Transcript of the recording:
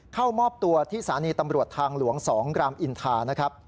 เข้ามอบตัวที่สารีตำรวจทางหลวง๒รามอินทา